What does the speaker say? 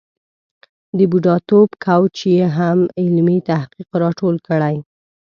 د بوډاتوب کوچ یې هم علمي تحقیق را ټول کړی.